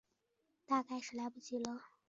大概是来不及了